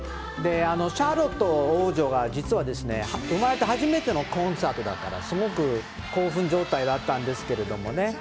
シャーロット王女が実は生まれて初めてのコンサートだから、すごく興奮状態だったんですけれどもね。